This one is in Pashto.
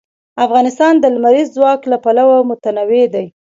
افغانستان د لمریز ځواک له پلوه متنوع دی.